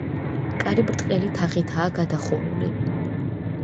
კარი ბრტყელი თაღითაა გადახურული.